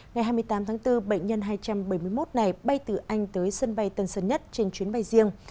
ngày hai mươi tám tháng bốn bệnh nhân hai trăm bảy mươi một này bay từ anh tới sân bay tân sơn nhất trên chuyến bay riêng